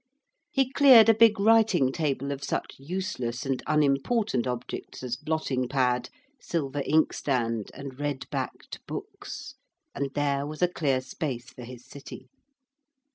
He cleared a big writing table of such useless and unimportant objects as blotting pad, silver inkstand, and red backed books, and there was a clear space for his city.